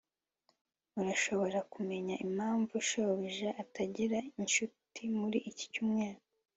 urashobora kumenya impamvu shobuja atagira inshuti muri iki cyumweru